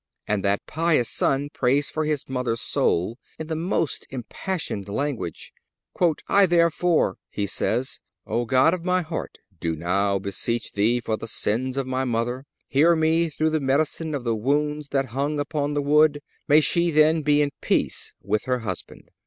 And that pious son prays for his mother's soul in the most impassioned language: "I therefore," he says, "O God of my heart, do now beseech Thee for the sins of my mother. Hear me through the medicine of the wounds that hung upon the wood.... May she, then, be in peace with her husband....